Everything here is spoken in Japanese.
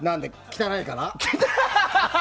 汚いから？